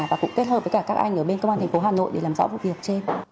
và cũng kết hợp với cả các anh ở bên công an thành phố hà nội để làm rõ vụ việc trên